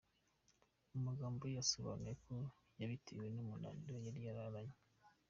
Mu magambo ye yasobanuye ko yabitewe n’umunaniro yari yararanye.